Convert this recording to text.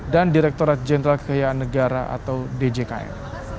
dan direkturat jenderal kekayaan negara atau djkn